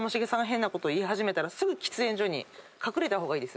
変なこと言い始めたらすぐ喫煙所に隠れた方がいいですよね。